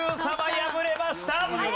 敗れました。